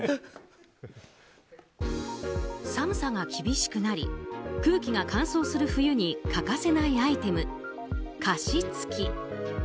寒さが厳しくなり空気が乾燥する冬に欠かせないアイテム、加湿器。